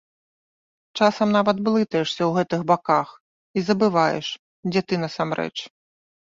Часам нават блытаешся ў гэтых баках і забываеш, дзе ты насамрэч.